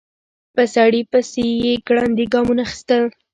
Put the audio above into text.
په سړي پسې يې ګړندي ګامونه اخيستل.